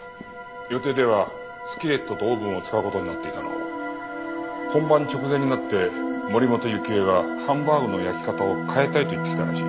予定ではスキレットとオーブンを使う事になっていたのを本番直前になって森本雪絵がハンバーグの焼き方を変えたいと言ってきたらしい。